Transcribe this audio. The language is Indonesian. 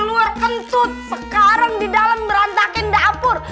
luar kentut sekarang di dalam merantakin dapur